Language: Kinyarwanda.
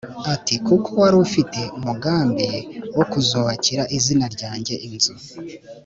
ati ‘Kuko wari ufite umugambi wo kuzubakira izina ryanjye inzu